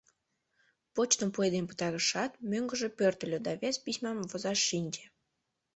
Почтым пуэден пытарышат, мӧҥгыжӧ пӧртыльӧ да вес письмам возаш шинче.